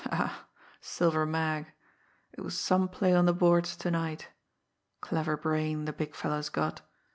Ha, ha! Silver Mag! It was some play on the boards to night! Clever brain, the Big Fellow's got!